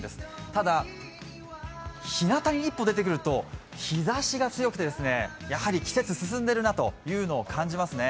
ただ、ひなた一歩出てくると日ざしが強くてやはり季節進んでいるなというのを感じますね。